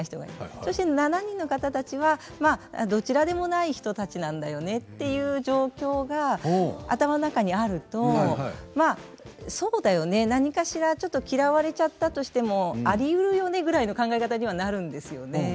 そして７人の方たちはまあどちらでもない人たちなんだよねっていう状況が頭の中にあるとまあそうだよね何かしらちょっと嫌われちゃったとしてもありうるよねぐらいの考え方にはなるんですよね。